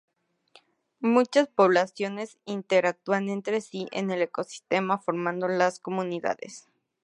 Muchas poblaciones interactúan entre sí en el ecosistema formando las comunidades.